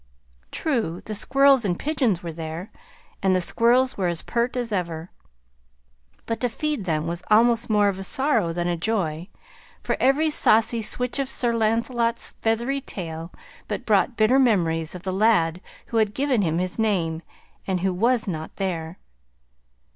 True, the squirrels and pigeons were there, and the sparrows were as pert as ever, but to feed them was almost more of a sorrow than a joy, for every saucy switch of Sir Lancelot's feathery tail but brought bitter memories of the lad who had given him his name and who was not there.